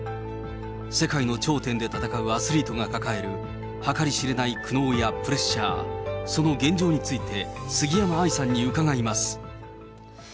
世界の頂点で戦うアスリートが抱える計り知れない苦悩やプレッシャー、その現状について、杉山愛さんに伺います。